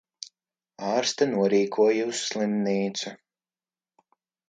Ārste norīkoja uz slimnīcu...